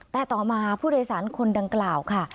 แต่ต่อมาผู้โดยสารคนดังกล่าวค่ะ